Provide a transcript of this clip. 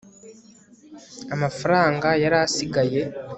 amafaranga yari asigaye